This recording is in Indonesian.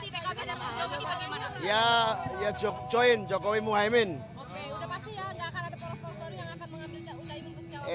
oke sudah pasti ya tidak akan ada polos polos yang akan mengambil jawabannya